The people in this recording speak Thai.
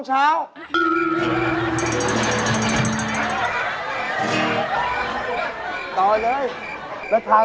จับข้าว